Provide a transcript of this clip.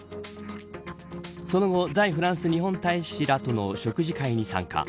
その後、在フランス日本大使らとの食事会に参加。